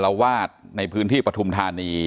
ละวาดในพื้นที่ปฐุมธานี